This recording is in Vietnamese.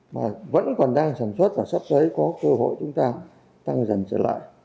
mà vẫn còn đang sản xuất và sắp tới có cơ hội chúng ta tăng dần trở lại